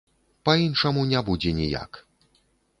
Па-іншаму не будзе ніяк.